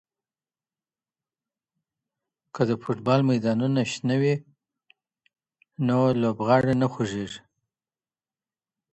که د فوټبال میدانونه شنه وي، نو لوبغاړي نه خوږیږي.